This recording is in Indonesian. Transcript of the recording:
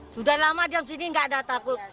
sudah lama diam sini tidak ada takut